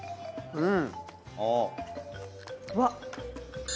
うん！